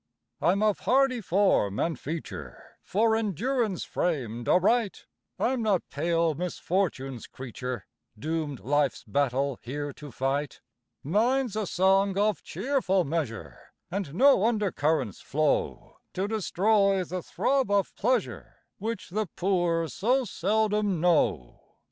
I'm of hardy form and feature, For endurance framed aright; I'm not pale misfortune's creature, Doomed life's battle here to fight: Mine's a song of cheerful measure, And no under currents flow To destroy the throb of pleasure Which the poor so seldom know.